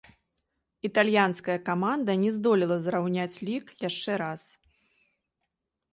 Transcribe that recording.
Італьянская каманда не здолела зраўняць лік яшчэ раз.